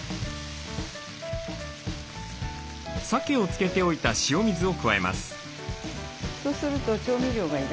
さけを漬けておいた塩水を加えます。